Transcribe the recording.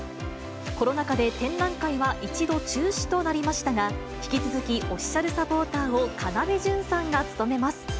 コロナ禍で展覧会は一度中止となりましたが、引き続き、オフィシャルサポーターを要潤さんが務めます。